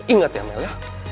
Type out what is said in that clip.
ingat ya mel ya